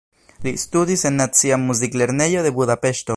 Li studis en Nacia Muziklernejo de Budapeŝto.